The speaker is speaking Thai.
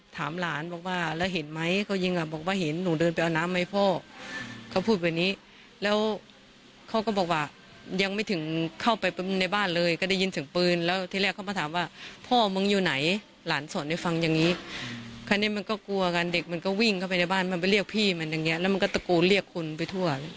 ท่านผู้ชมครับพี่สาวของนายธีรชาติบอกว่าสงสารที่สุดก็คือหลานสาวเข้าไปเอาน้ำให้ในบ้านเนี่ยเผลอถ้าอยู่หน้าบ้านด้วยกันก็อาจจะโดนด้วย